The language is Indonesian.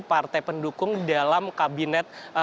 partai pendukung dalam kabinet